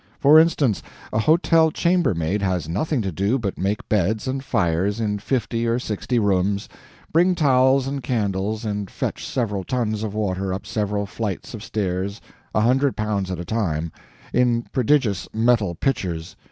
For instance, a hotel chambermaid has nothing to do but make beds and fires in fifty or sixty rooms, bring towels and candles, and fetch several tons of water up several flights of stairs, a hundred pounds at a time, in prodigious metal pitchers.